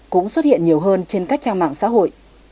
cũng xuất hiện nhiều hơn trên các trang mạng xã hội